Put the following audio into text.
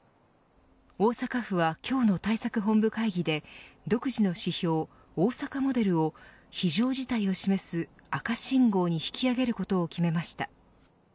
大阪府は今日の対策本部会議で独自の指標、大阪モデルを非常事態を示す赤信号に引き上げることを決めました。